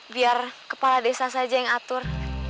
biar kepala desa saja yang atur